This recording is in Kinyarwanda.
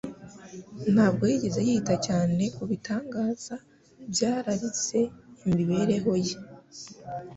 Ntabwo yigeze yita cyane ku bitangaza byararize imibereho ye.